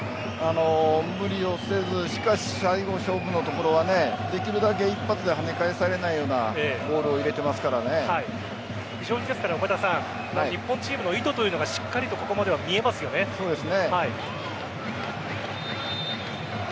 無理をせずしかし最後、勝負のところはできるだけ一発ではね返されないような非常に日本チームの意図というのがしっかりとここまではそうですね。